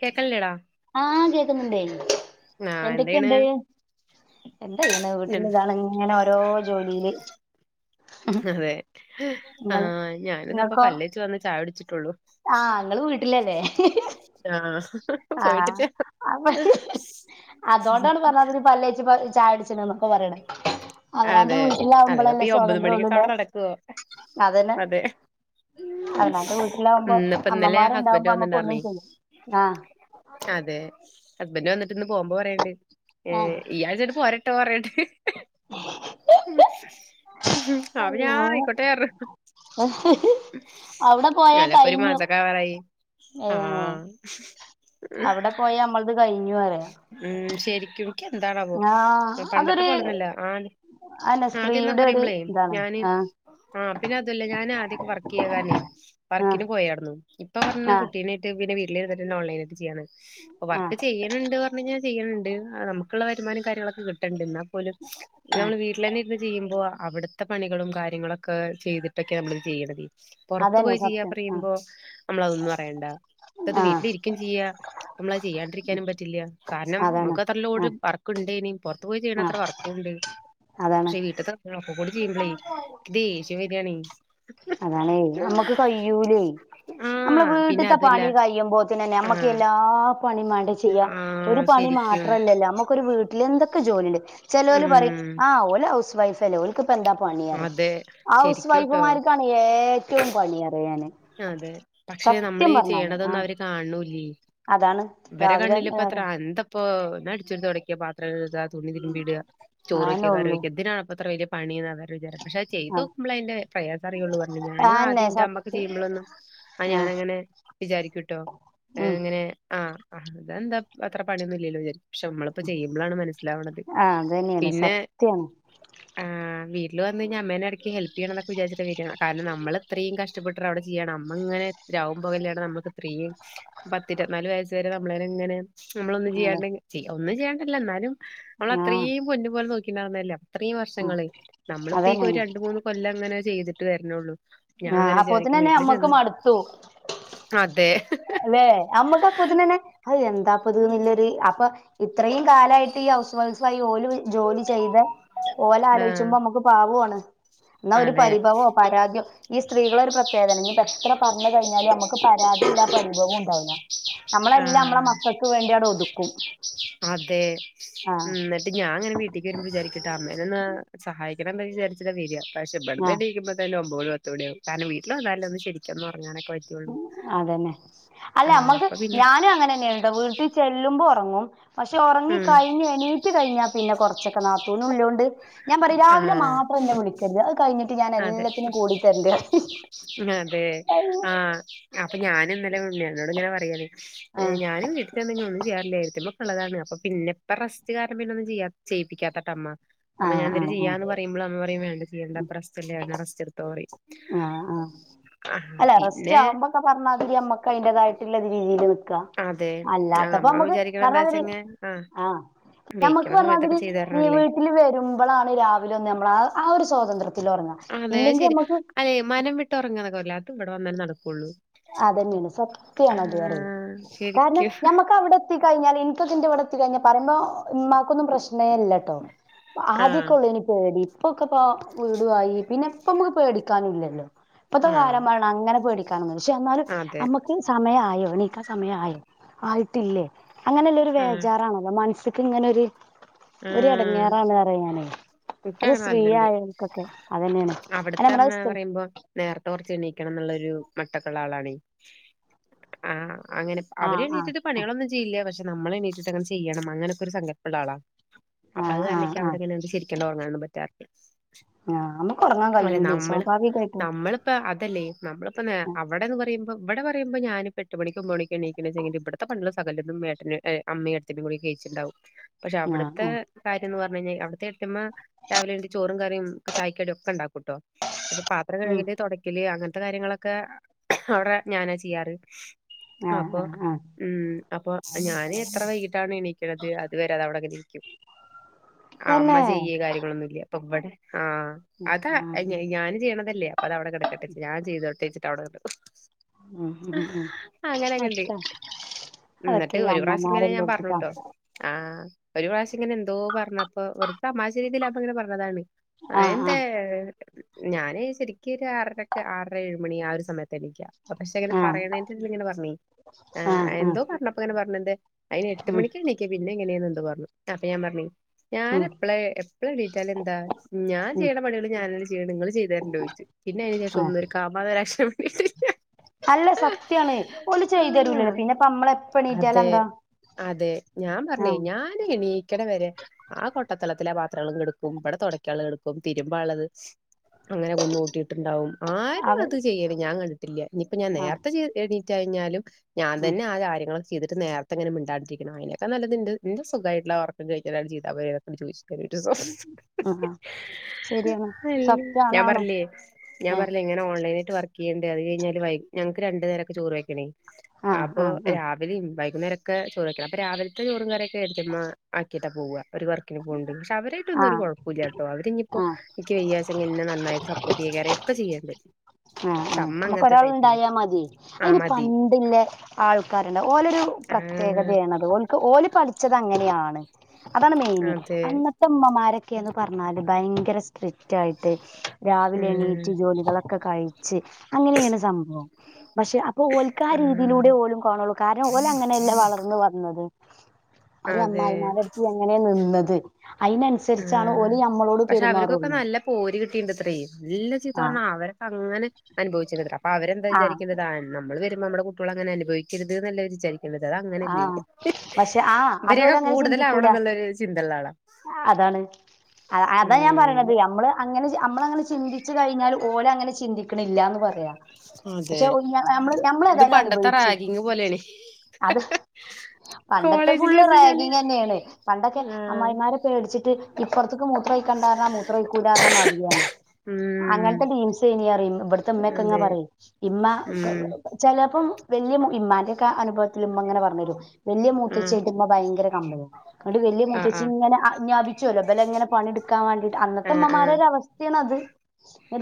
കേക്കണില്ലേടാ ആ കേക്കുന്നുണ്ടേനി ആ എന്ത്യ്യണ് എന്താചെയ്യാന, വീട്ടിലൊരാളിങ്ങനെയോരോ ജോലിയില്. അതെ, നിങ്ങൾ ആഹ്.. ഞാനിതിപ്പം, പല്ലേച്ചു വന്ന് ചായകുടിച്ചു. ആ.. ഞങ്ങളുവീട്ടിലല്ലേ ആ.. പോയിട്ടില്ല. അപ്പൊ അതുകൊണ്ടാണ് പറഞ്ഞത്, പല്ലേച്ചു വന്ന് ചായ കുടിച്ചൂവെന്നൊക്കെപറയണേ അവനവന്റെ അതെ വീട്ടിലാവു അല്ലെങ്കപ്പ കുമ്പോളല്ലേ, ഈ ഒമ്പത് മണിക്കൊക്കെ സ്വതന്ത്രമുള്ളൂല്ലേ. അവിടെ നടക്കുവോ അതന്നെ അതെ ഉം അവനോന്റെ വീട്ടില ലാകുമ്പോ ഇന്നിപ്പ ഇന്നലെ ഹസ്ബന്റ് അമ്മമാരുണ്ടാകുമ്പോ നമ്മക്കൊന്നും, വന്നിണ്ടാർന്നേ ചെയ്യ് ആ.. ഹസ്ബൻഡ്‌ വന്നിട്ടിന്ന് പോകുമ്പോ പറയുണ്ട് ആഹ് ഈ ആഴ്ചയിങ്ങ്പോരട്ടെ, അത്, ഞാൻ അള്ളാ ആയിക്കോട്ടെ, ആ നല്ല യിപ്പമൊരുമാ സൊക്കെയാവാറായി ഏ.. അവിടെ പോയാ നമ്മൾക്ക് ക.. ഉം.. ശരിക്കും, എന്താണാവോ ആഹ് പണ്ടത്തെ അതൊരു പോലൊന്നല്ല, ആ.. അന്നെ ആദ്യംമെന്നൊക്കെ സ്ത്രീയുടെ ഒരു ഇതാണ് പറയുമ്പളേഞാന്, ആഹ് ആ പിന്നെയതുമല്ല ഞാന് ആദ്യമൊക്കെ വർക്ക് ചെയ്യതാലെ. ആഹ് വർക്കിന് പോയായിരുന്നു ഇപ്പപറഞ്ഞു, ആഹ് കുട്ടീനെയിട്ട്പിന്നെ വീട്ടിലിരുന്നിട്ട് ഓൺലൈനായിട്ട് ചെയ്യാന്ന്. ആഹ് ഇപ്പവർക്ക് ചെയ്യാൻ എന്നു പറഞ്ഞു ചെയ്യണുണ്ട്. നമുക്കുള്ള വരുമാനം കാര്യങ്ങളൊക്കെ കിട്ടണുണ്ട്. എന്നാപ്പോ ലും ആഹ് നമ്മളുവീട്ടിൽതന്നെയിരുന്ന്. ചെയ്യുമ്പോളവിടുത്തെ പണികളുംകാര്യങ്ങളു മൊക്കെ ചെയ്തിട്ടൊക്കെ നമ്മളിതുചെയ്ണ ത് അതന്നെ പുറത്തുപോയി ചെയ്യാ, സത്യം ആഹ് പറയുമ്പോനമ്മളതൊന്നും അറിയണ്ട. ഇപ്പമത്, ആഹ് വീട്ടിലിരിക്കേം ചെയ്യാം, നമ്മളതു ചെയ്യാണ്ടിരിക്കാനും പറ്റു കാരണം അതാണ് നമുക്കത്രലോഡ് ആഹ് വർക്കുണ്ടേനി, പുറത്തു പോയി ചെയ്യണത്ര ആഹ് വർക്കുണ്ടേ അതാണ് പക്ഷേ, വീട്ടിലത്തെയൊക്കെ കൂടി ചെയ്യുമ്പളേദേഷ്യം വരികയാണേ നമക്ക് കയ്യൂലെയ് നമ്മള് പിന്നെ വീട്ട്ത്തെ അതുല്ല പണി കയ്യുമ്പോത്തിനെന്നെ നമ്മക്കു ആഹ് എല്ലാ പണിമാണ്ട ചെയ്യാ ഒരു ആഹ് പണി ശരിക്കും മാത്രല്ലല്ലോ നമ്മുക്കൊരു വീട്ടിലെന്തൊക്കെ ജോലിണ്ട് ചെലോല് പറിം ഉം ആ ഓല് ഹൗസ് വൈഫല്ലേ ഓൽക്കെ പ്പെന്താ പണി റിം അതെ ഹൗസ് ശരിക്കൂട്ടോ വൈഫുമാർക്കാണ് ഏറ്റവുംപണിയാറിയാന് അ തെ പക്ഷേ നമ്മളീ ചെയ്യണതൊന്നും ആഹ് അവര് കാണ് ണൂ ലേ അതാണ് രാവിലെ ഇവരകണ്ണിലിപ്പത്ര നേരം അന്ത പ്പൊ ഒന്നടിച്ചേരി തൊടക്ക പാത്രം കഴ്ക തുണിതിര്മ്പിടാ ആന്നെ ചോറുവയ്ക കറി ഉള്ളൂ വെക്ക ന്തിനാ പത്ര വെല്ല്യ പണിന്നാ അവരുടെവിചാരം പക്ഷേ അഅ് ആ ചെയ്തുനോക്കുമ്പളയ്ന്റെ പ്രയാസറിയൊള്ളൂ ർഞ്ഞ് ഞാനു ആന്നെ ആദ്യന്റെമ്മ സത്യം ചെയ്യുമ്പോളൊന്നും ആ ഞാനങ്ങനെ വിചാരിക്കൂട്ടോ ഉം അങ്ങനെ ആ അ അതെന്താ അത്ര പണിയൊന്നുല്ലല്ലോ വിചാരിക്കും പക്ഷേ നമ്മളിപ്പോ ചെയ്യുമ്പോളാണുമനസി ലാവ്ണത് ആ അതന്നെയാണ് പിന്നെ സത്യാണ് ആ വീട്ടില് വന്നഴ്ഞ്ഞാ അമ്മേനെട്ക്ക് ഹെൽപ്പചയ്യണന്നൊക്കെ വിചാരിച്ചിട്ടാ വെരാ കാരണം നമ്മളെത്രയും കഷ് ഇഷ്ടപ്പെട്ട്രവടെ ചെയ്യണ് അമ്മങ്ങനെ രാവും പകലില്ലാണ്ട് നമ്മക്ക് ത്രേം പത്തിരുപത്തിനാലു വയസുവരെ നമ്മളനിങ്ങനെ നമ്മളൊന്നും അതെ ചെയ്യാണ്ടി ഒന്നും ചെയ്യാണ്ടല്ല എന്നാലും ആ നമ്മളത്രേം പൊന്നു പോലെ നോക്കി ണ്ടായിരുന്നല്ലോ അത്രേം ആ വർഷങ്ങള് നമ്മളപ്പി അതന്നെയാണ് കൊരണ്ടുമൂന്ന് കൊല്ലങ്ങനെ ചെയ്തിട്ട് വര്ന്നൊള്ളൂ ആ അങ്ങനെ വിചാരിക്കും അപ്പൊത്തിനന്നെ അമ്മക്ക് വീട്ടില്ചെന്ന് അതെ ല്ലേ അമ്മക്കാപ്പോത്തിനെന്നെ ഹഅ് എന്താ പ്പത് ന്നില്ലൊര് അപ്പ ഇത്രേം കാലായിട്ട് ഈ ഹൗസ് വൈഫായി ഓല് ജോലിചെയ്ത ഓലാലോ ആഹ് യ്ച്ചുമ്പോ അമ്മക്കു പാവുആണ് ന്നാ ഒരു അതെ പരിഭവോ പരാത്യോ ഈ സ്ത്രീകളൊരു പ്രത്യേകതയാണ് ഇഞ്‌പ്പെത്ര പർഞ്ഞ് കഴിഞ്ഞാലും അമ്മക്ക് പരാതില്ല ഭവൂ ണ്ടാവൂല്ല അമ്മളെല്ലാം അമ്മളെ ആഹ് മക്കക്ക് വേണ്ടിയ ണ്ട് ഒതുക്കും അതെ ആ ന്നട്ട് ഞാനങ്ങനെ വീട്ടിക്കെരുമ്പോ വിചാരിക്കു ട്ടോ അമ്മേ നൊന്ന് സഹാ യിക്കണം എന്നു വിചാരിച്ചിട്ടാ വെരാ പക്ഷേ ഇബടന് ആ എണീക്കുമ്പോ തന്നെ ഒമ്പത് മണി പത്ത് മണിയാവും കാരണം വീട്ടിൽവന്നാലൊന്ന് ശരിക്കൊന്നൊറങ്ങാൻ ഉം അതന്നെ അല്ല ആ അപ്പൊ പിന്നെ അമ്മക്കുഞാനു അങ്ങനെന്നാണ് ട്ടോ വീട്ടിൽ ചെല്ലുമ്പോ ഒർങ്ങും പക്ഷേ ഉം ഓർങ്ങിക്കഴിഞ്ഞ് എണീറ്റുകഴിഞ്ഞാ പിന്നെ കൊറച്ചൊക്കെ നാത്തൂനുല്ലോണ്ട് ഞാപറിം ആ രാവിലെ മാത്രന്നെവിളിക്കര്ത് അഅ് കഴിഞ്ഞിട്ട് ഞാൻ എല്ലാത്തിനും കൂടി തര്ണ്ട് റിം അതെ അതെ ആ അപ്പൊഞാനും ഇന്നലെ ഉണ്ണിയേട്ടനോടിങ്ങനെ പറയാണ് ആഹ് ഞാനും വീട്ടിച്ചെന്നെങ്കി ഒന്നു [unintelligible] ഏട്ടത്തിയമ്മക്കള്ളതാണ് അപ്പൊ പിന്നെ ഇപ്പൊ റസ്റ്റ് കാരണം ഇന്നൊന്നും ചെയ്യ ചെയ്യിപ്പിക്കാത്തട്ടാ അമ്മ ആ ആ ചെയ്യാ എന്ന് പറയുമ്പോൾ അമ്മ പറയും വേണ്ട ചെയ്യേണ്ട പ്പ റെസ്റ്റല്ലേ ന്ന റസ്റ്റെടുത്തോ റിം ആ ആ അല്ല റസ്റ്റ് പിന്നെ ആവുമ്പോക്കെ പർഞ്ഞാതിരി അമ്മക്ക് അയിൻ്റെതായി ട്ട്ളള രീതി ല് നിക്കാം അതെ ആ അല്ലാത്തപ്പം നമ്മൾ അമ്മക്ക് വിചാരിക്കണ പർഞ്ഞാതിരി എന്താച്ചെങ്ങെ ആ ഞമ്മക്ക് വെയ്ക്കണ പർഞ്ഞാ സമയത്തൊക്കെ തിരി ചെയ്ത് ഈ തരണല്ലേ വീട്ടില് വരുമ്പളാണ് രാവിലെ ഒന്ന് നമ്മൾ ആ ആഒരു സ്വാതന്ത്ര്യം ത്തിലൊർങ്ങ ഇല്ലെങ്കി ശരി അമ്മക്ക് അതെ മനം വിട്ട് ഒർങ്ങാന്നൊക്കെ പറീല്ലേ അത് ഇവ ടെ വന്നന്നേനട ക്കൊള്ളൂ അതെന്നെണ് സത്യണത് റ്യെ കാരണം ശരിക്കും ഞമ്മക്ക് അവടെ എത്തി കഴിഞ്ഞാല് ഇക്ക് തിൻ്റെ വടെ എത്തി കഴിഞ്ഞ പറിമ്പോ ഇമ്മാക്കൊന്നും പ്രശ്നേ ഇല്ലാട്ടോ ആ ആദ്യ ക്കൊള്ളേനി പേടി ഇപ്പൊക്കൊപ്പൊ വീടു ആയി പിന്നെ ഇപ്പം നമ്മക്ക് പേടിക്കാനൂല്ലല്ലോ ഇപ്പത്തെ ആ കാലം പറണ അങ്ങനെ പേടിക്കാനൊന്നുല്ല പക്ഷെ എന്നാലും അതെ അമ്മക്ക് സമയായോ എണിക്കാൻ സമയായി ആയിട്ടില്ലേ അങ്ങനെല്ലെ ഒരു ആ വേജാറാണല്ലോ മനസ്സ്ക്ക് ങ്ങനൊര് ഒരു എടങ്ങേറാണ് റ്യേ ഞാന് ഇക്കങ്ങനെ വെര്ല്ണ്ട് അതന്നെയാണ് അല്ല അവട്ത്തെ നമ്മളത് അമ്മ സ്ത്രീ പറയുമ്പോ നേർത്തെ കൊർച്ച് എണീക്കണം ന്നുള്ളൊര് ഒരു മട്ടക്കുള്ള ആളാണേ ആ അങ്ങനെ അവര് ആഹ് ആഹ് എണീറ്റ്ട്ട് പണികളൊന്നും ചെയ്യില്ല്യ പക്ഷേ നമ്മളെണീറ്റിട്ടങ്ങനെ ചെയ്യണം അങ്ങനൊക്കെ ഒരു സങ്കല്പളളാ ള അപ്പൊ ആഹ് അഅ് കാരണം ആഹ് ആഹ് ഇക്ക്യവിടെ ങ്ങനെണ്ട് ശെരിക്കണ്ട് ഒറങ്ങാനൊന്നും പറ്റാറില്ല ആഹ് നമുക്ക് ഉറങ്ങാൻ അല്ലെ കഴിയൂലേ നമ്മള് സ്വാഭാവികായിട്ടും നമ്മളിപ്പം അതല്ലേ നമ്മളിപ്പ അവിടെന്ന് പറയുമ്പ ഇവിടെ പറയുമ്പോ ഞാനിപ്പോ എട്ട് മണിക്കും ഒമ്പത് മണി എണീക്കണെ ച്ചെങ്കില് ഇബട്ത്തെ പണികളും സകലതും ഏട്ടനും ഏ അമ്മയും എട്ടത്തി അമ്മയും കൂടി ചേച്ചി ണ്ടാവും പക്ഷെ ആഹ് അവട്ത്തെ ആഹ് കാര്യംന്ന് പറ [unintelligible] അവ്ട്ത്തെ എട്ടത്തിമ്മ രാവിലെ എണീച്ച് ചോറും കറിയും ചായക്കടിം ഒക്കെ ണ്ടാക്കും കുട്ടോ പക്ഷെ പാത്രം ഉം കഴുകല് തുടക്കല് അങ്ങനെ ത്തെ കാര്യങ്ങളൊക്കെ അവിടെ ഞാനാ ചെയ്യാറ് ആഹ് അപ്പോ ആഹ് ആഹ് ഉം അപ്പൊ ഞാന് എത്ര വൈകിട്ടാണ് എണീക്കണത് അത് വരെ അത് അവിടെ ഇരിക്കും ആ തന്നെ അമ്മ ചെയ്യേ കാര്യങ്ങളൊന്നും ഇല്ല്യ അപ്പൊ ഇവിടെ ആ അതാ ആഹ് ഞാന് ചെയ്യണതല്ലേ അപ്പൊ അത് അവിടെ കിടക്കട്ടെ ഞാൻ ചെയ്തോട്ടേച്ച് അവടെ ഇടും ഉം ഉം ഉം ഉണ്ട് അക്ക എന്നിട്ട് ഒരു പ്രാവശ്യം ഇങ്ങനെ ഞാൻ പറഞ്ഞുട്ടോ ആ ഒരു പ്രാവശ്യം ഇങ്ങനെ എന്തോ പറഞ്ഞപ്പോ വെറുതെ തമാശ രീതിയിൽ അപ്പ ഇങ്ങനെ പറഞ്ഞതാണ് ആ ആഹ് എന്തേ ആഹ് ഞാന് ശരിക്ക് ഒരു ആറരക്ക് ആറര ഏഴ് മണി ആ ഒരു സമയത്ത് എണീക്കാ പക്ഷെ അങ്ങനെ ആഹ് പറയണതിന്റെ ഇതില് ഇങ്ങനെ പറഞ്ഞി ആ ആഹ് ആഹ് എന്തോ പറഞ്ഞപ്പം ഇങ്ങനെ പറഞ്ഞത് അയിന് എട്ട് ഉം മണിക്കാ എണീക്ക പിന്നെ എങ്ങനെയുണ്ട്ന്ന് പറഞ്ഞു അപ്പൊ ഞാൻ പറഞ്ഞ് ഉം ഞാനെഎപ്പളേ എപ്പള് എണീറ്റാലെന്താ ഞാൻ ഉം ചെയ്യണ പണികള് ഞാനാണ് ചെ നിങ്ങള് ചെയ്ത് തരണ്ടോ ന്ന് ചോദിച്ചു പിന്നെ അതിന് ശേഷം ആഹ് ഒന്ന് ഒരു കാമന്ന് ഒരക്ഷരം മിണ്ടിയിട്ടില്ല അല്ല സത്യാണ് ഒന്ന് ചെയ്തുതരൂലല്ലേ ആഹ് പിന്നെപ്പ നമ്മള എപ്പ അത് എണീറ്റാല്എന്താ അതെ ഞാൻ പറഞ്ഞേ ഞാന് ക്കണ വരെ ആ കൊട്ടത്തലത്തിലെ ആ പാത്രങ്ങളും കെടുക്കും ഇവിടെ തുടക്കാനുള്ള കിടക്കും തിരുമമ്പാ ഉള്ളത് അങ്ങനെ കുന്ന് കൂട്ടിയിട്ടുണ്ടാവും ആരും അവ അത് ചെയ്യല് ഞാൻ കണ്ടിട്ടില്ല ഇനിയിപ്പ ഞാൻ ആഹ് നേരത്തെ എണീറ്റ് കഴിഞ്ഞാലും ഞാൻ ഉം തന്നെ ആ കാര്യങ്ങളൊക്ക ചെയ്തിട്ട് നേരത്തെങ്ങനെ മിണ്ടാണ്ടത്തിരിക്കണം അതിനെക്കാലുംനല്ലത്എന്റെ എന്റെ സ് സുഖായിട്ടുള്ള ഒർക്കം കഴിഞ്ഞല് ചെയതാ മതിയെന്നക്കെ ചോദിച്ചു അതിന്റെ പിറ്റോസം ഉം ആഹ് ശരിയാണ് ഞാൻ സത്യാണാണും പറഞ്ഞില്ലേ ഞാൻ ആഹ് പറഞ്ഞില്ലേ ഇങ്ങനെ ഓൺലൈൻ വർക്ക് ചെയ്യണ്ട് അത് കഴിഞ്ഞാല് ഞങ്ങക്ക് രണ്ടു നേരൊക്കേ ചോറ് വെക്കണേ ആഹ് അപ്പോ ആഹ് ആഹ് രാവിലെയും വൈ കന്നേരൊക്കെ ചോറ് വക്കണം അപ്പൊ രാവിലത്തെ ചോറും കറിയൊക്കെ ഏട്ടത്തിയമ്മ ആക്കിയിട്ടാ പോവുക ഒരു വർക്കിന് പോന്നുണ്ട് പക്ഷെ അവരായിട്ടൊന്നും ഒരു ആഹ് കുഴപ്പമില്ലാട്ടോ അവരി ഇനിയിപ്പോ ആഹ് എനിക്ക് വയ്യച്ച എന്നെ നന്നായിട്ട് സപ്പോ പു ടിയ കറ ഒക്കെ ചെയ്യണ്ട് ആ ആ പക്ഷെ അമ്മ നമുക്ക് അങ്ങനത്തെ ഒരാൾ ടൈപ്പില്ല ഉണ്ടായാൽ മതി ആ അതിന് മതി പണ്ടില്ലെ ആൾക്കാരുണ്ട് ഓലൊരു ആ പ്രത്യേകതയാണത് ഓൽക്ക് ഓല് പടി - ച്ചത്അങ്ങനെയാണ് അതാണ് മെയിന് അതെ അന്നത്തെ ഉമ്മ ക്കെന്ന് പറഞ്ഞാല് ഭയങ്കര സ്ട്രിക്റ്റ് ആയിട്ട് രാവിലെ എണീറ്റ് ഉം ജോലികളൊക്കെ കഴി അങ്ങനെയാണ് സംഭവം പക്ഷെ അപ്പൊ ഓൽക്ക് ആ രീതിയിലൂടെ ഓലും കാണുള്ളൂ കാരണം ഓല് അങ്ങനെല്ല വളർന്ന വന്നത് ആ ഒരു അതെ അമ്മായിമാരു അടുത്ത് എങ്ങനെ നിന്നത് അനുസരിചാണ് ആഹ് ഓല് നമ്മള പക്ഷെ അവർക്കൊക്കെ നല്ല പോര് കിട്ടിണ്ട് അത്രേം നല്ല ചീത്ത ആ പറഞ്ഞ അവർക്ക് അങ്ങനെ അനുഭവിച്ചിരിക്ക അപ്പൊ അവരെന്താ അനുഭവിച്ചിരികണ് അപ്പൊ അവര് ആ വിചാരിക്കുന്നത് നമ്മൾ വരുമ്പം നമ്മുടെ കുട്ടികൾങ്ങനെ അനുഭവിക്കരുത് എന്നല്ലെ വിചാരിക്ക അത് ആ അങ്ങനെല്ലേ പക്ഷെ ആ ഇവരൊക്കെ അതോലങ്ങനെ കൂടുതലാവണം എന്നുള്ളരു ചിന്ത ഉള്ളതാണ് എന്താണ് അതാ ഞാൻ പറയണത് നമ്മള് അങ്ങനെ നമ്മള് അങ്ങനെ ചിന്തിച്ച് കഴിഞ്ഞാല് ഓലെ അങ്ങനെ ചിന്തിക്ക ചിന്തിക്കണില്ലന്ന് പറയാ അതെ പക്ഷെ നമ്മള് ഇത് ഏതായാലും പണ്ടത്തെ അനുഭവിച്ചു റാഗിങ് പോലെയാണ് അത് പണ്ടത്തെ കോളേജില് ഫുള്ള് വന്ന് കഴിഞ്ഞാല് റാഗിങ് തന്നെയാണ് പണ്ടൊക്കെ ആഹ് അമ്മായിമാരെ പേടിച്ചിട്ട് ഇപ്പൊറത്തക്ക് മൂത്രം ഒഴിക്കണ്ടാന്ന് പറഞ്ഞ മൂത്രം ഒഴിക്കൂലാ മതിയാണ് ഉം അങ്ങനത്തെ ടീംസായിനി ഇവിടത്തെമ്മക്കെ ഇങ്ങ അതെ പറയും ഇമ്മ ഉം ചിലപ്പോം വലിയ ഇമ്മാന്റെക്കെ അനുഭവ ഇമ്മ ഇങ്ങനെ പറഞ്ഞു തരും വലിയ ആഹ് മൂത്തച്ചിയായിട്ട് ഇമ്മ ഭയങ്കര കമ്പിനിയ അതോണ്ട് വലിയ ആഹ് മുത്തച്ചി ആഹ് ഇങ്ങനെ ആജ്ഞാപി ചുലബല എങ്ങനെ പണിഎടുക്കാൻ വേണ്ടിട്ട് അന്നത്തെ ആഹ് ആഹ് ഉമ്മമാരെ അവസ്ഥയാണ് അത് ഇന്നിട്ടി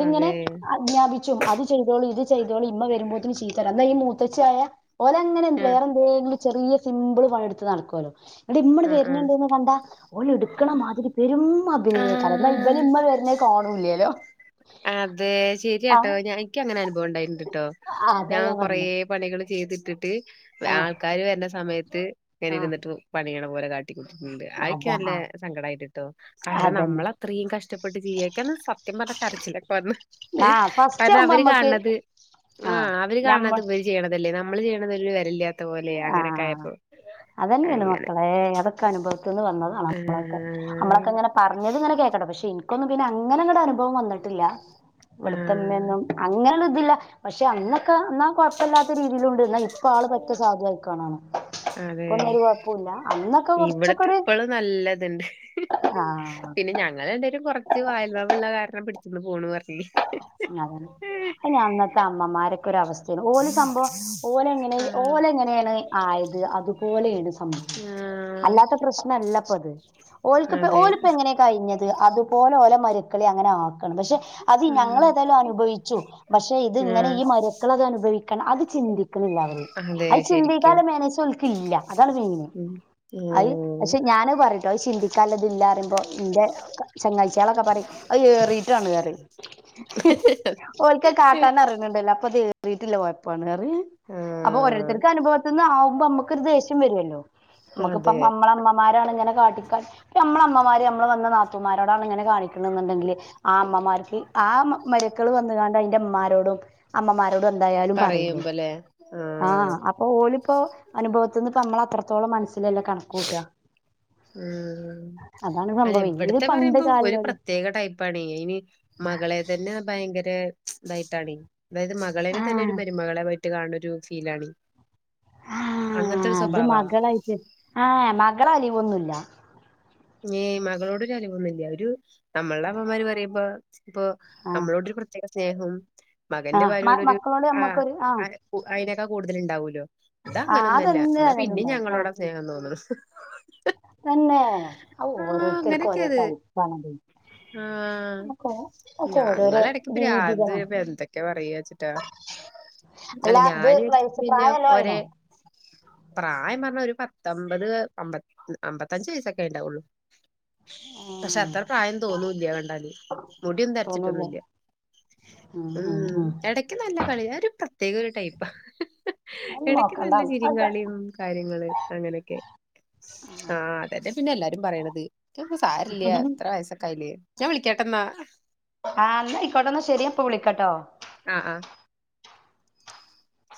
ങ്ങനെ അതെ അജ്ഞാപിച്ചും അത് ചെയ്തോളി ഇത് ചെയ്തോളി ഇമ്മ വരുമ്പോത്തിന് ചീത്ത ഈ മൂത്തച്ഛിയായ ഓലെ അങ്ങനെ ആഹ് വേറെ എന്തെങ്കിലും ചെറിയ സിമ്പിൾ പണി എടുത്ത് നടക്കുമല്ലോ അടെ ഇമ്മള് ആഹ് ആഹ് വരുന്നുണ്ടന്ന് കണ്ട ഓള് എടുക്കണ മാതിരി പെരും അഭിനയക്കാല എന്ന ഇവര് ആഹ് ഇമ്മ വരുന്നെ കണൂല്ലല്ലോ അതെ ശരിയാട്ടോ ഞാ എനിക്ക അങ്ങനെ അനുഭവം ഉണ്ടായിണ്ട്ട്ടോ ആ അതാ ഞാൻ കൊറെ പറഞ്ഞത് പണികൾ ചെയ്തിട്ടിട്ട് ആ ആൾക്കാര് വരുന്ന സമയത്ത് ഇങ്ങനെ ആ ഇരുന്നിട്ട് പണിയണ പോലെ കാട്ടി കാട്ടിയിട്ടുണ്ട് അതൊക്കെ അതാ നല്ല ആ സങ്കടമായിട്ട്ട്ടോ കാരണം അതന്നെ നമ്മള അത്രയും കഷ്ടപ്പെട്ട് ചെയീക്കാന്ന് സത്യം പറഞ്ഞ കരച്ചില്ലെക്കെ വന്ന് ആ ഫസ്റ്റ് കാരണം ആവുമ്പോ അവര് നമ്മക്ക് കാണത് ആ അവര് ഞമ്മ കാണാത്ത ഇപര് ചെയ്യണതല്ലേ നമ്മള് ചെയ്യണത് വെരല്ലാത്ത പോലെയ ആ അങ്ങനെയൊക്കെ ആയപ്പോ അതന്നെയാണ് അങ്ങനെ മക്കളെ അതൊക്കെ അനുഭവത്തിന്ന് വന്നതാണ് നമ്മളൊക്കെ നമ്മളൊക്കെ ആഹ് ഇങ്ങനെ പറഞ്ഞത്ങ്ങനെ കേക്കണം പക്ഷെ എനിക്കൊന്നും അങ്ങനൊന്നും അനുവം വന്നിട്ടില്ല ആഹ് ഇവിടത്തമ്മൊന്നും അങ്ങനെയള്ള ഇതില്ല പക്ഷെ അന്നൊക്കെ എന്നാ കുഴപ്പമില്ലാത്ത രീതിയിലുണ്ട് എന്നാ ഇപ്പ ആള് പറ്റ സാധു ആയിക്കണാണ് അതെ ഇപ്പന്നും ഒരു കുഴപ്പില്ല അന്നൊക്കെ കുറച്ചൊക്കെ ഇവിടത്തെ ഒരു ഇപ്പളും നല്ലതുണ്ട് ആ പിന്നെ ഞങ്ങൾ രണ്ടേരും കുറച്ച് വായ ഉള്ള കാരണം പിടിച്ചന്ന് പോന്ന് പറഞ്ഞ് അതാണ് അത് ഞങ്ങ അമ്മമാരൊക്കെ ഒര് അവസ്ഥാണ് ഓല് സംഭവം ഓല് എങ്ങന ആഹ് ഓല് എങ്ങനെയാണ് ആയത് അതുപോലെ അതുപോലെയാണ് സംഭവം ആഹ് അല്ലാത്ത പ്രശ്നല്ല ഇപ്പൊ അത് ഓല്ക്ക് അതെ ഓലപ്പ എങ്ങനെയാണ് കഴിഞ്ഞത് അതുപോലെ ഓലെ മരുക്കുകളെ അങ്ങനെ ആ അത് ഉം ഞങ്ങളെതെല്ലാം അനുഭവിച്ചു പക്ഷെ ഇത് ഇങ്ങനെ ആഹ് ഈ മരുക്കൾ അത് അനുഭവിക്ക അത് ചിന്തിക്കണില്ല അവര് അതെ അത് ശരിക്കും ചിന്തിക്കാലെ മേനേയ്സ് ഒൽക്കില്ല അതാണ് മെയിന് ഉം അയ് ഉം പക്ഷെ ഞാന് പറഞ്ഞട്ടോ ചിന്തിക്കാല്ലതില്ലാറുമ്പോ നിന്റെ ചങ്ങാഴ്ചികളൊക്കെ പറയും അ കേറിയിട്ടാണ് പറയും ഓരിക്ക കാട്ടൻ അറിയണണ്ടല്ലോ അപ്പൊ വീട്ടിലെ കൊയപ്പാണ് അപ്പൊ ആഹ് ഓരോരുത്തർക്ക് അനുഭവത്തിന്നന്ന് ആവുമ്പോ നമ്മുക്കരു ദേഷ്യം വരുല്ലോ നമ്മുക്കിപ്പം അതെ നമ്മള അമ്മമാരാണ് ഇങ്ങനെ കാട്ടിക്കാൻ നമ്മള അമ്മമാര് നമ്മള് വന്ന നാത്തമാരോടാണ് ഇങ്ങനെ കാണിക്കുക എന്നുണ്ടെങ്കില് ആ അമ്മമാർക്ക് മരക്കൾ വന്നുകാണ്ട് അതിന്റെ ഉമ്മാരോടും അമ്മമാരോടും എന്തായാലും പറയില്ലേ പറയുമ്പല്ലേ ആ ആഹ് അപ്പൊ ഓല് ഇപ്പോ അനുഭവത്തിന്ന് ഇപ്പ നമ്മള് അത്രത്തോളം മനസ്സിലല്ലെ കണക്ക് കൂട്ടുക ഉം അതാണ് അല്ല സംഭവം ഇത് എവിടത്തെ പണ്ട് പറയുമ്പോ ഒരു കാലിലല്ലേ പ്രത്യേക ടൈപ്പാണ് അയിന് മകളെ തന്നെ ഭയങ്ക ഭയങ്കര ഇതായിട്ടാണ് അതായത് മകളെ ആ തന്നെ ഒരു മരുമകളെ പോയിട്ട് കാണ ഒരു ഫീലാണ് ആ അത് മകളായിട്ട് ആഹ മകള അലിവൊന്നുമല്ല മകളോട്ഒരു അലിവൊന്നില്ല ഒരുനമ്മളുടെ അമ്മമാര് പറയുമ്പോ ഇപ്പൊ ആ നമ്മളോട്‌ ഒരു പ്രത്യേക സ്നേഹം ആ മകന്റെ ഭാര്യ യോടു മ- ഒരു മക്കളോട് നമ്മക്കൊരു ആ ആഅയിനക്കെ കൂടുതൽ ഉണ്ടാവൂലോ ഇത ആ അങ്ങനൊന്നുമ ഇല്ല അതെന്ത് എന്നാ കാലം പിന്നെ ഉണ്ടാവും ആ ഞങ്ങളോട സ്നേഹം തോന്നുന്നു തന്നെ ആ ഓരോരുത്തർക്ക് ഓരോ ടൈപ്പണത് ആഹ ഞങ്ങള ഓരോരോ ഇടക്ക്പിരാ രീതികളാണ് ഗ്രഎന്തൊക്കൊ പറയ വച്ചിട്ടാ അല്ല അത് ഞാന് വയസ പിന്നെ പ്രായല്ലോ ഒരേ ആയിനോ പ്രായം പറഞ്ഞ ഒരു പത്തമ്പത് അമ്പത്അമ്പത്തഞ്ച്‌വയസൊക്കെ ഉണ്ടാവുള്ളു പക്ഷെ ഉം, അത്ര പ്രായം തോന്നൂല്ല കണ്ടാല്. മുടിയെന്നും തോന്നൂല്ലേ നരച്ചിട്ടൊന്നുംല്ല ഉം ഇടക്ക് നല്ല കളി ഒരു പ്രത്യ പ്രത്യേക ഒരു ടൈപ്പാ അത് ഇടക്ക് നോക്കണ്ട നല്ല ചിരി അതൊക്കെ. കളിയും കാര്യങ്ങള് അങ്ങനെയൊക്കെ ആഹ് അതന്നെ പിന്നെ എല്ലാരും പറയണത് സാര ഇല്ല എത്ര വയസ്സക്കെ ആയിലെ ഞാൻ വിളിക്കട്ടന്നാ ആഹ എന്നാ ഇക്കോട്ടന്ന് ശെരി അപ്പൊ വിളിക്കട്ടോ ആഹ് ആഹ്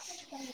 ഉ [unintelligible] [unintelligible]